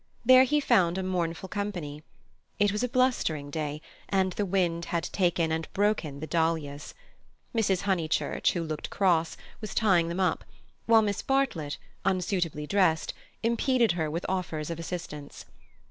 There he found a mournful company. It was a blustering day, and the wind had taken and broken the dahlias. Mrs. Honeychurch, who looked cross, was tying them up, while Miss Bartlett, unsuitably dressed, impeded her with offers of assistance.